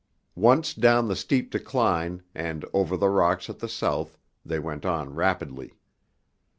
Once down the steep decline, and over the rocks at the south, they went on rapidly.